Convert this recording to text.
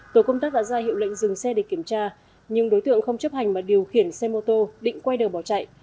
tổ công tác đã ra hiệu lệnh dừng xe để kiểm tra nhưng đối tượng không chấp hành mà điều khiển xe mô tô định quay đường bỏ chạy